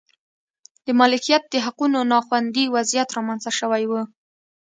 د مالکیت د حقونو نا خوندي وضعیت رامنځته شوی و.